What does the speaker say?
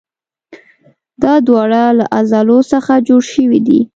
دا دواړه له عضلو څخه جوړ شوي دي.